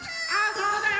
そうだよ！